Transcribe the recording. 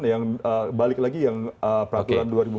yang balik lagi yang peraturan dua ribu empat belas